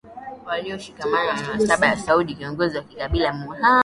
walioshikamana na nasaba ya Saud kiongozi wa kikabila Muhammad